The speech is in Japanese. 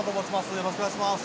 よろしくお願いします。